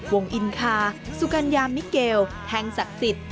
อินคาสุกัญญามิเกลแห่งศักดิ์สิทธิ